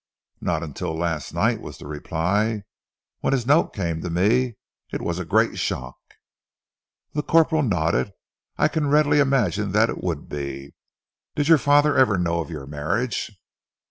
"Not until last night," was the reply. "When his note came to me, it was a great shock." The corporal nodded. "I can readily imagine that it would be.... Did your father ever know of your marriage?"